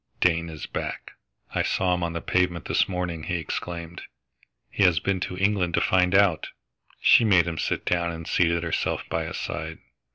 "Dane is back I saw him on the pavement this morning!" he exclaimed. "He has been to England to find out!" She made him sit down and seated herself by his side.